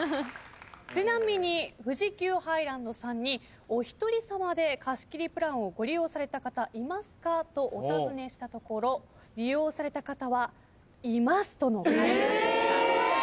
ちなみに富士急ハイランドさんに「お一人さまで貸し切りプランをご利用された方いますか？」とお尋ねしたところ「利用された方はいます」との回答でした。え！？